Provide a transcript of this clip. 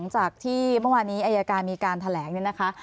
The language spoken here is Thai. จากที่เมื่อวานี้อายการมีการแถลงเนี่ยนะคะ